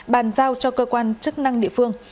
bàn giao cho cơ quan chức năng địa phương